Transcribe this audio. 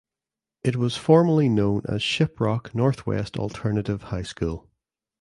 It was formerly known as Shiprock Northwest Alternative High School.